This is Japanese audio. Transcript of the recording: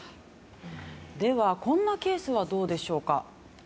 では、こんなケースはどうでしょうか。